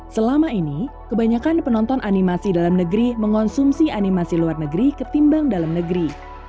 selama ini kebanyakan penonton animasi dalam negeri mengonsumsi animasi luar negeri ketimbang dalam negeri